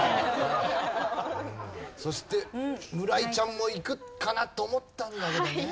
そして村井ちゃんもいくかなと思ったんだけどね。